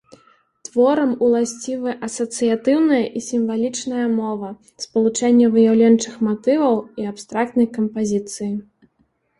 Творам уласцівы асацыятыўная і сімвалічная мова, спалучэнне выяўленчых матываў і абстрактнай кампазіцыі.